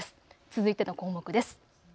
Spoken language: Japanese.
続いての項目です。